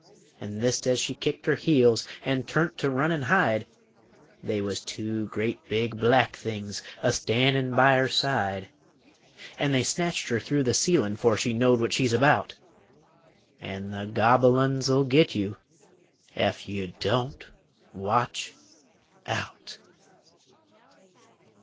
An' thist as she kicked her heels, an' turn't to run an' hide, They was two great big Black Things a standin' by her side, An' they snatched her through the ceilin' 'fore she knowed what she's about! An' the Gobble uns'll git you Ef you Don't Watch Out!